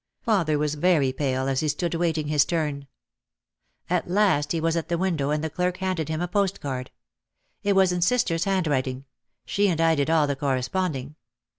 Father was very pale as he stood wait ing his turn. At last he was at the window and the clerk handed him a post card. It was in sister's handwriting. She and I did all the corresponding.